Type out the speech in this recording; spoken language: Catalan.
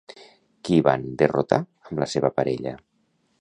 Qui van derrotar amb la seva parella?